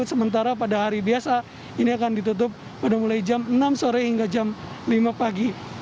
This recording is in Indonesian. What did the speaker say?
sementara pada hari biasa ini akan ditutup mulai jam enam sore hingga jam lima pagi